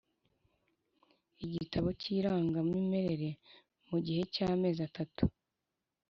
igitabo cyIrangamimere mu gihe cy amezi atatu